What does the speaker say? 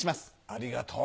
ありがとう。